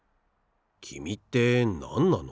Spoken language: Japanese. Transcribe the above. きみってなんなの？